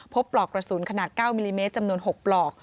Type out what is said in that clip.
ปลอกกระสุนขนาด๙มิลลิเมตรจำนวน๖ปลอก